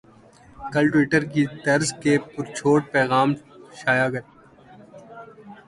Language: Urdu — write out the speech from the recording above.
کل ٹیوٹر کی طرز کے پر چھوٹ پیغام شائع کر